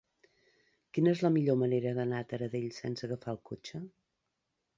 Quina és la millor manera d'anar a Taradell sense agafar el cotxe?